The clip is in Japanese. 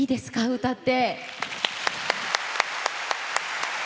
歌って。